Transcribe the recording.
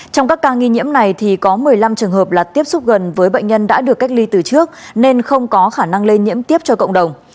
trong các ca nghi nhiễm này thì có một mươi năm trường hợp là tiếp xúc gần với bệnh nhân đã được cách ly từ trước nên không có khả năng lây nhiễm tiếp cho cộng đồng